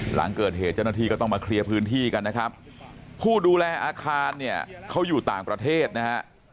หลังเกิดเหตุเจ้าหน้าที่ก็ต้องมาเคลียร์พื้นที่กันนะครับผู้ดูแลอาคารเนี่ยเขาอยู่ต่างประเทศนะฮะ